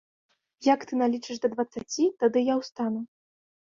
Як ты налічыш да дваццаці, тады я ўстану.